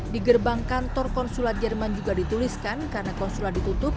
di gerbang kantor konsulat jerman juga dituliskan karena konsulat ditutup